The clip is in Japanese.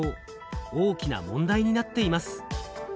大きな問題になっています。